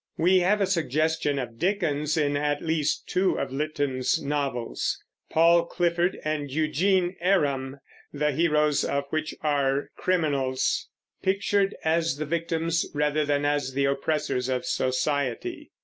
We have a suggestion of Dickens in at least two of Lytton's novels, Paul Clifford and Eugene Aram, the heroes of which are criminals, pictured as the victims rather than as the oppressors of society.